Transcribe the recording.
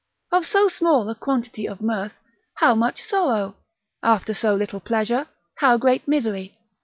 Of so small a quantity of mirth, how much sorrow? after so little pleasure, how great misery?